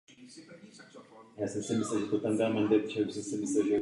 Otce svého Němcová zvěčnila ve své Babičce pod jménem Jana Proška.